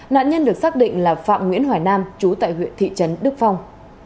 nạn nhân được xác định là phạm nguyễn hoài nam chú tại huyện thị trấn đức phong